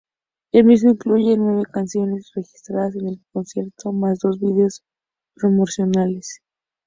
El mismo incluye nueve canciones registradas en el concierto, más dos videos promocionales.